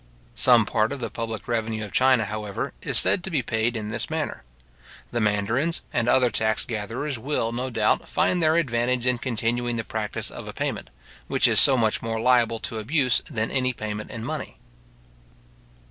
Some part of the public revenue of China, however, is said to be paid in this manner. The mandarins and other tax gatherers will, no doubt, find their advantage in continuing the practice of a payment, which is so much more liable to abuse than any payment in money.